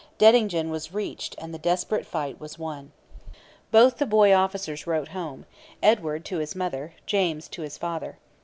Dettingen was reached and the desperate fight was won. Both the boy officers wrote home, Edward to his mother; James to his father.